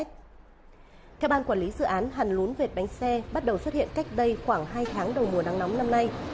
theo ban quản lý dự án hàn lún vệt bánh xe bắt đầu xuất hiện cách đây khoảng hai tháng đầu mùa nắng nóng năm nay